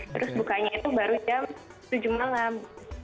terus bukanya itu baru jam tujuh malam